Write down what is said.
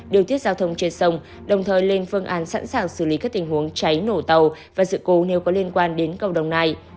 điều tiết giao thông trên sông đồng thời lên phương án sẵn sàng xử lý các tình huống cháy nổ tàu và sự cố nếu có liên quan đến cầu đồng nai